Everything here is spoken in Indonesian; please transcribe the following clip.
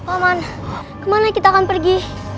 pak man kemana kita akan pergi